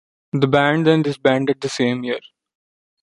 The band then disbanded the same year.